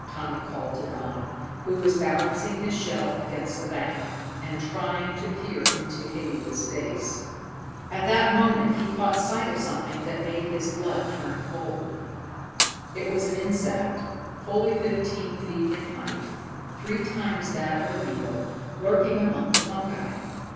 Tommy called to Dodd, who was balancing his shell against the bank, and trying to peer into Haidia's face. At that moment he caught sight of something that made his blood turn cold! It was an insect fully fifteen feet in height, three times that of a beetle, lurking among the fungi.